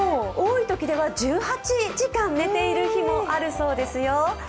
多いときでは１８時間寝ているときもあるそうですよ。